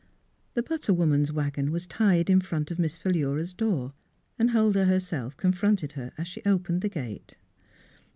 The butter woman's wagon was tied in front of Miss Philura's door, and Huldah herself confronted her as she opened the gate.